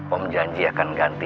om janji akan ganti